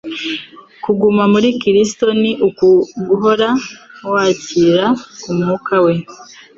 Kuguma muri Kristo ni: uguhora wakira ku Mwuka we,